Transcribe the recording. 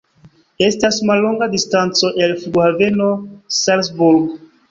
Estas mallonga distanco el Flughaveno Salzburg.